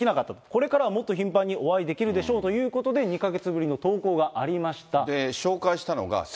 これからはもっと頻繁にお会いできるでしょうということで、２か月ぶりの投稿がありました。